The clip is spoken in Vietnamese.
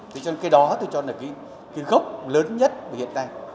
thì cái đó tôi cho là cái gốc lớn nhất hiện nay